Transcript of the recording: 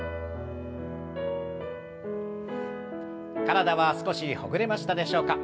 体は少しほぐれましたでしょうか？